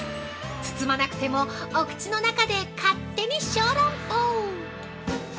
包まなくてもお口の中で勝手に小籠包。